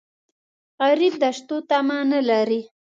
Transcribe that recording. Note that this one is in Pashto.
غریب د شتو تمه نه لري